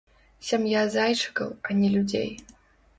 Сям'я зайчыкаў, а не людзей.